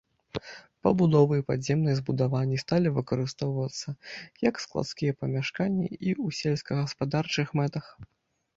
Пабудовы і падземныя збудаванні сталі выкарыстоўвацца як складскія памяшканні і ў сельскагаспадарчых мэтах.